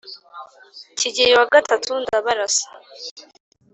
kigeli iii ndabarasa